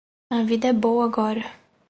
A vida é boa agora.